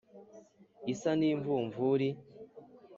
isa n' imvumvuri !"